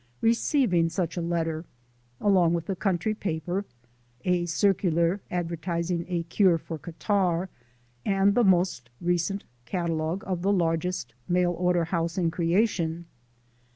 receiving such a letter (along with the country paper, a circular advertising a cure for catarrh, and the most recent catalogue of the largest mail order house in creation).